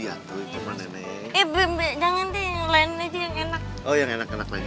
nanti beberapa detik ayo pas